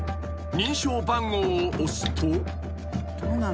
［認証番号を押すと］